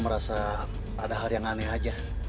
merasa ada hal yang aneh aja